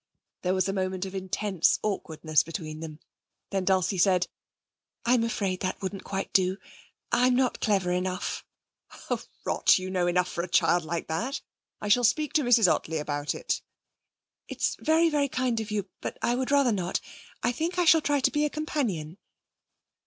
There was a moment of intense awkwardness between them. Then Dulcie said: 'I'm afraid that wouldn't quite do. I'm not clever enough.' 'Oh, rot. You know enough for a child like that. I shall speak to Mrs Ottley about it.' 'It's very, very kind of you, but I would rather not. I think I shall try to be a companion.'